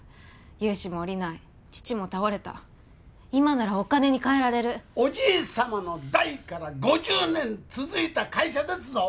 融資もおりない父も倒れた今ならお金に変えられるおじいさまの代から５０年続いた会社ですぞ！